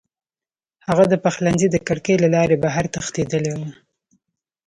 هغه د پخلنځي د کړکۍ له لارې بهر تښتېدلی و